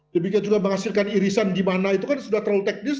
demikian juga menghasilkan irisan di mana itu kan sudah terlalu teknis